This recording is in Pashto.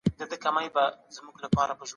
د دې افتخاراتو تاریخي څېړنه ضروري ده